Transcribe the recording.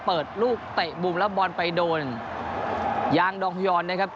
เปิดลูกเตะมุมแล้วบอลไปโดนยางดองพยอนนะครับ